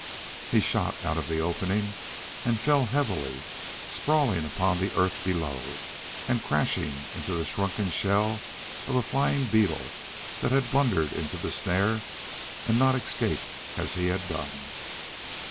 He shot out of the opening and fell heavily, sprawling upon the earth below and crashing into the shrunken shell of a flying beetle that had blundered into the snare and not escaped as he had done.